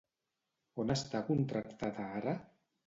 On està contractada ara?